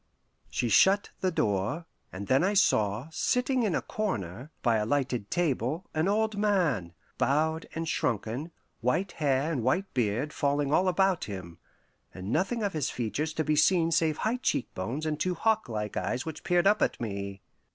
She shut the door, and then I saw, sitting in a corner, by a lighted table, an old man, bowed and shrunken, white hair and white beard falling all about him, and nothing of his features to be seen save high cheek bones and two hawklike eyes which peered up at me.